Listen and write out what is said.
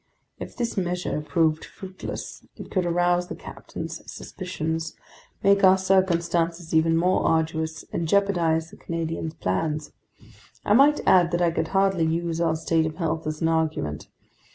If this measure proved fruitless, it could arouse the captain's suspicions, make our circumstances even more arduous, and jeopardize the Canadian's plans. I might add that I could hardly use our state of health as an argument.